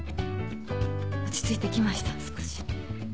落ち着いてきました少し。